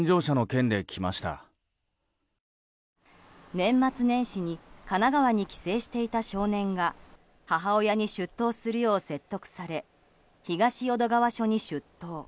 年末年始に神奈川に帰省していた少年が母親に出頭するよう説得され東淀川署に出頭。